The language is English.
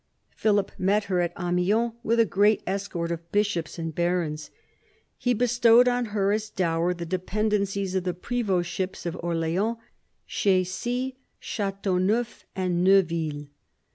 Philip met her at Amiens, with a great escort of bishops and barons. He bestowed on her, as dower, the dependencies of the prevdtships of Orleans, Checi, CMteauneuf, and Neuville.